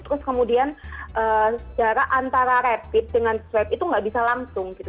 terus kemudian jarak antara rapid dengan swab itu nggak bisa langsung gitu